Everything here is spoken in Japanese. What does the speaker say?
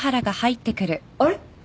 あれ？